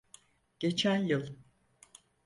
Geçen yıl.